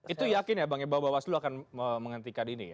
itu yakin ya bang bawa bawaslu akan menghentikan ini